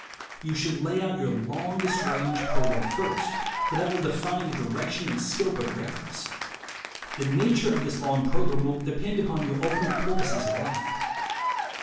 You should lay out your longest range program first, for that will define the direction and scope of your efforts. The nature of this long program will depend upon your ultimate purposes in life.